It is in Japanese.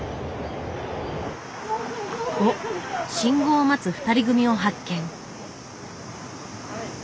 おっ信号を待つ２人組を発見。